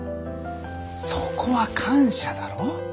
そこは感謝だろ？